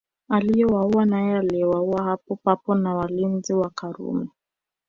Aliyemuua naye aliuawa papo hapo na walinzi wa Karume